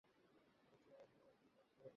আমরা কীভাবে আনলক করব?